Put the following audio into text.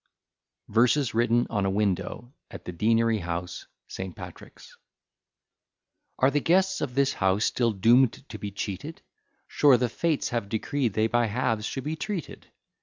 VERSES WRITTEN ON A WINDOW, AT THE DEANERY HOUSE, ST. PATRICK'S Are the guests of this house still doom'd to be cheated? Sure the Fates have decreed they by halves should be treated.